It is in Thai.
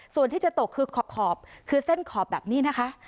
ส่วนที่จะตกคือขอบคือเส้นขอบแบบนี้นะคะ